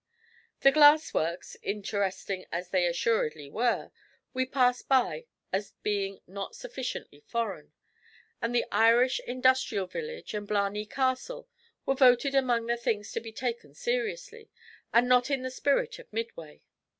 The glass works, interesting as they assuredly were, we passed by as being not sufficiently foreign; and the Irish Industrial Village and Blarney Castle were voted among the things to be taken seriously, and not in the spirit of Midway.